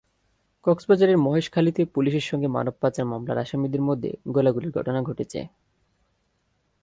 কক্সবাজারের মহেশখালীতে পুলিশের সঙ্গে মানব পাচার মামলার আসামিদের মধ্যে গোলাগুলির ঘটনা ঘটেছে।